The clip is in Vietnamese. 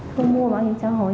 thu mua bảo hiểm xã hội